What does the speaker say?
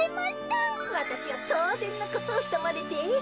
わたしはとうぜんのことをしたまでです。